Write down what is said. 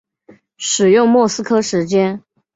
使用莫斯科时间。